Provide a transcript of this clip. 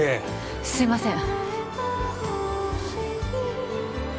すいません